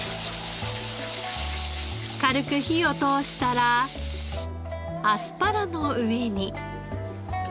軽く火を通したらアスパラの上に。